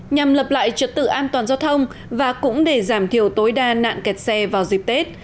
nhằm lập lại trật tự an toàn giao thông và cũng để giảm thiểu tối đa nạn kẹt xe vào dịp tết